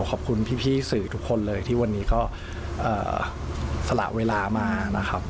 ขอบคุณพี่สื่อทุกคนเลยที่วันนี้ก็สละเวลามานะครับ